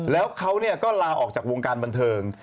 แล้วเขาก็ลาออกจากวงการบันเทิง